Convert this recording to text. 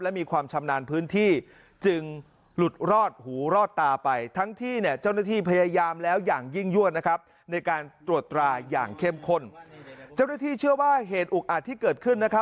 และมีความชำนาญพื้นที่จึงหลุดรอดหูรอดตาไป